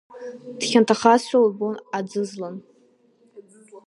Дхьанҭахазшәа лбон аӡызлан.